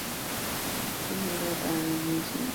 曾揭露山西运城水利工程造假被誉为打假英雄记者。